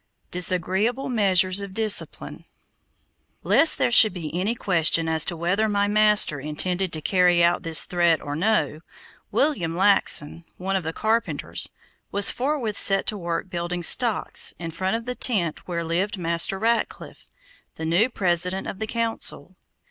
DISAGREEABLE MEASURES OF DISCIPLINE Lest there should be any question as to whether my master intended to carry out this threat or no, William Laxon, one of the carpenters, was forthwith set to work building stocks in front of the tent where lived Master Ratcliffe, the new President of the Council.